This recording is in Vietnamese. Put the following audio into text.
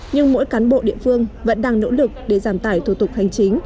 nhưng mỗi cán bộ địa phương vẫn đang nỗ lực để giảm tải thủ tục hành chính